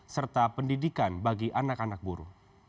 serta pendidikan bagi anak anak buru